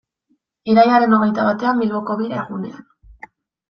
Irailaren hogeita batean, Bilboko Bira gunean.